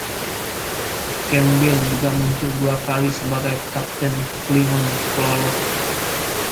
Campbell juga muncul dua kali sebagai Kapten Klingon, Koloth.